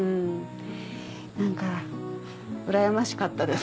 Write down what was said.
何かうらやましかったです。